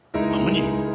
何！？